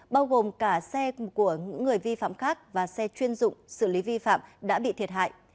bao gồm cả xe của những người vi phạm khác và xe chuyên dụng xử lý vi phạm đã bị thiệt hại